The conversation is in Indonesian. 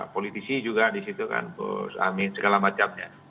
politisi juga di situ kan gus amin segala macamnya